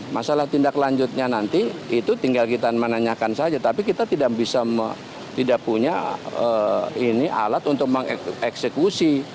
masalah tindak lanjutnya nanti itu tinggal kita menanyakan saja tapi kita tidak bisa tidak punya alat untuk mengeksekusi